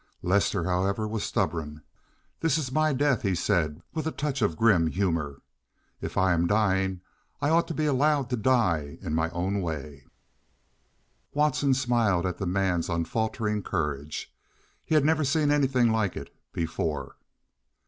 Lester, however, was stubborn. "This is my death," he said, with a touch of grim humor. "If I'm dying I ought to be allowed to die in my own way." Watson smiled at the man's unfaltering courage. He had never seen anything like it before.